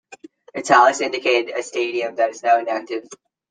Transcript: "Italics" indicate a stadium that is now inactive.